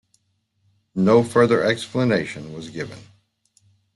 No further explanation was given.